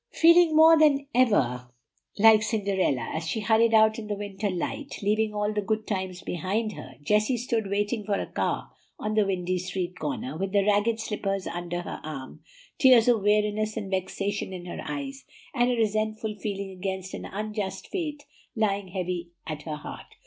Feeling more than ever like Cinderella as she hurried out into the winter night, leaving all the good times behind her, Jessie stood waiting for a car on the windy street corner, with the ragged slippers under her arm, tears of weariness and vexation in her eyes, and a resentful feeling against an unjust fate lying heavy at her heart.